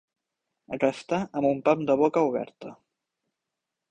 Restar amb un pam de boca oberta.